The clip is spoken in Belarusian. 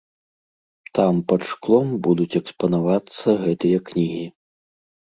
Там пад шклом будуць экспанавацца гэтыя кнігі.